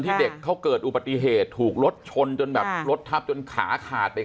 เด็กเขาเกิดอุบัติเหตุถูกรถชนจนแบบรถทับจนขาขาดไป